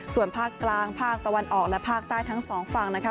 ส่วนภาคกลางภาคตะวันออกและภาคใต้ทั้งสองฝั่งนะคะ